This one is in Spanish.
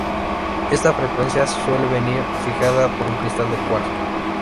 Esta frecuencia suele venir fijada por un cristal de cuarzo.